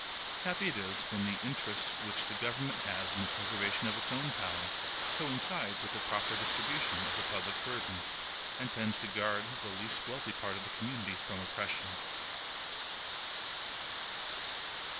Happy it is when the interest which the government has in the preservation of its own power, coincides with a proper distribution of the public burdens, and tends to guard the least wealthy part of the community from oppression!